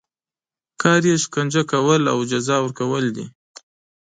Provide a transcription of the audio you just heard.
کار یې شکنجه کول او جزا ورکول دي.